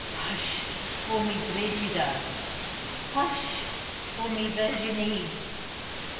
"Hush! call me Brigida." "Hush! call me Virginie."